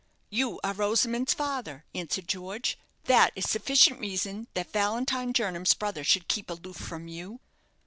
"You are Rosamond's father," answered George; "that is sufficient reason that Valentine Jernam's brother should keep aloof from you."